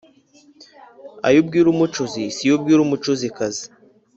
Ayo ubwira umucuzi si yo ubwira umucuzikazi.